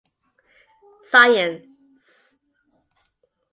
Sc.